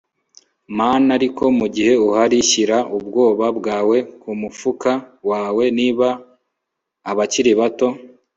man ariko mugihe uhari shyira ubwoba bwawe mumufuka wawe. niba abakiri bato